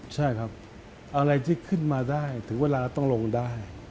ใช่ครับอะไรที่ขึ้นมาได้ถึงเวลาต้องลงได้